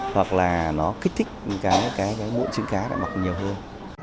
hoặc là nó kích thích nó gây những phản ứng đặc biệt khác